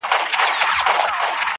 • رنګ په رنګ پکښي بویونه د ګلونو -